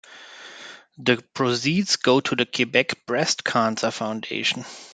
The proceeds go to the Quebec Breast Cancer Foundation.